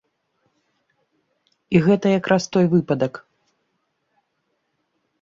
І гэта якраз той выпадак.